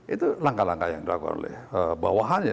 itu langkah langkah yang dilakukan oleh bawahannya